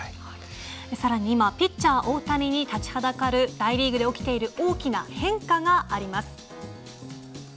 更に今ピッチャー大谷に立ちはだかる大リーグで起きている大きな変化があります。